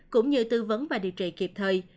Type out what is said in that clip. cũng như tư vấn và điều trị kịp thời